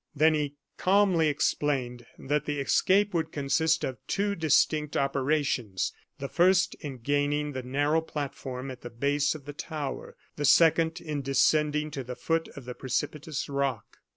Then he calmly explained that the escape would consist of two distinct operations; the first in gaining the narrow platform at the base of the tower; the second, in descending to the foot of the precipitous rock.